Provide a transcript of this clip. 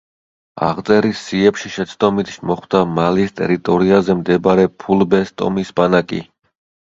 აღწერის სიებში შეცდომით მოხვდა მალის ტერიტორიაზე მდებარე ფულბეს ტომის ბანაკი.